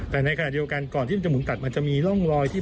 แต่ในขณะเดียวกันก่อนที่มันจะหมุนตัดมันจะมีร่องรอยที่